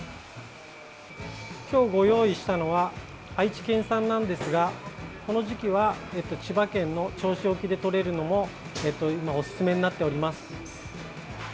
今日、ご用意したのは愛知県産なんですがこの時期は千葉県の銚子沖でとれるのが今、おすすめになっております。